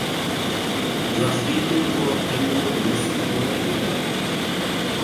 -ياخشى گەپكەنغۇ؟ ئەمدى مەن يەسلىگە باراي، دادا.